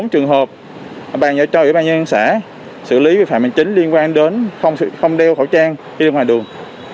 một mươi bốn trường hợp bàn giao cho với bàn nhân xã xử lý vi phạm an chính liên quan đến không đeo khẩu trang khi ra ngoài đường